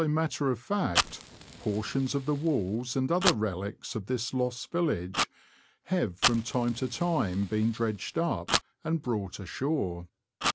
matter of fact, portions of the walls, and other relics of this lost village, have from time to time been dredged up and brought ashore.